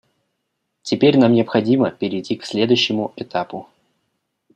Теперь нам необходимо перейти к следующему этапу.